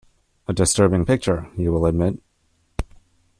A disturbing picture, you will admit.